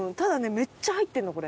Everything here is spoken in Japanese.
めっちゃ入ってるのこれ。